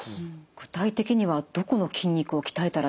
具体的にはどこの筋肉を鍛えたらいいんでしょうか？